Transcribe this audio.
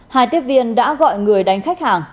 hai tiếp viên đã gọi người đánh khách hàng